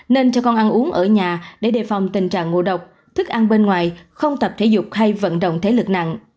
nên cho con ăn uống ở nhà để đề phòng tình trạng ngộ độc thức ăn bên ngoài không tập thể dục hay vận động thế lực nặng